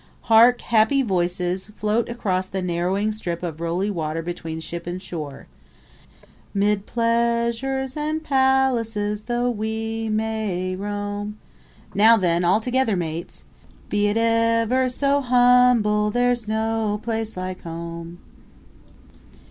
Hark! Happy voices float across the narrowing strip of rolly water between ship and shore: "'Mid pleasures and palaces, Though we may roam, (Now then, altogether, mates:) Be it ever so humble, There's no place like HOME!"